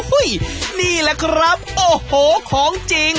นี่แหละครับโอ้โหของจริง